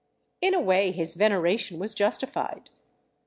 In a way his veneration was justified.